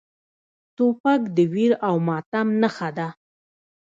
توپک د ویر او ماتم نښه ده.